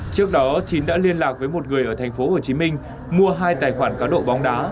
trước đó chín đã liên lạc với một người ở thành phố hồ chí minh mua hai tài khoản cá độ bóng đá